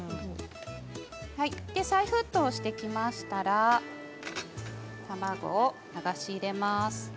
再沸騰してきましたら卵を流し入れます。